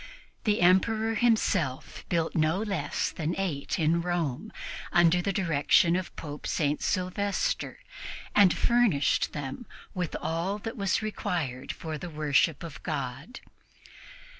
The Emperor himself built no less than eight in Rome, under the direction of Pope St. Sylvester, and furnished them with all that was required for the worship of God.